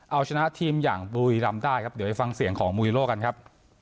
เอาชนะทีมอย่างบุรีรำได้ครับเดี๋ยวไปฟังเสียงของมูลฮิโลกันครับ